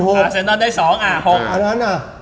ดังนั้นอ่ะ